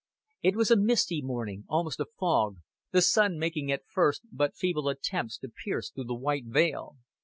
It was a misty morning almost a fog the sun making at first but feeble attempts to pierce through the white veil.